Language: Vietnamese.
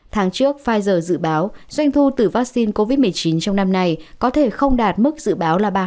tháng trước pfizer dự báo doanh thu từ vaccine covid một mươi chín trong năm nay có thể không đạt mức dự báo là ba